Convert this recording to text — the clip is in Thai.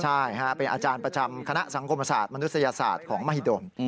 ใช่เป็นอาจารย์ประจำคณะสังคมศาสตร์มนุษยศาสตร์ของมหิดล